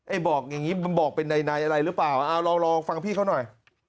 บอกอย่างนี้มันบอกเป็นในอะไรหรือเปล่าเอาลองฟังพี่เขาหน่อย